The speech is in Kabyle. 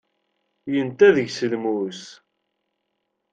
Yenta deg-s lmus.